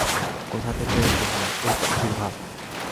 কোথা থেকে এর আবির্ভাব?